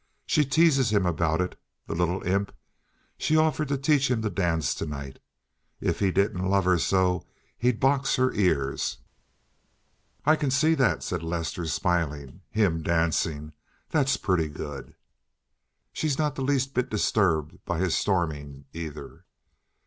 She teases him about it—the little imp. She offered to teach him to dance to night. If he didn't love her so he'd box her ears." "I can see that," said Lester, smiling. "Him dancing! That's pretty good!" "She's not the least bit disturbed by his storming, either."